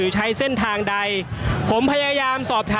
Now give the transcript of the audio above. ก็น่าจะมีการเปิดทางให้รถพยาบาลเคลื่อนต่อไปนะครับ